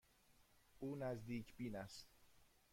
او نزدیک بین است.